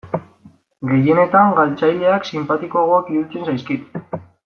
Gehienetan galtzaileak sinpatikoagoak iruditzen zaizkit.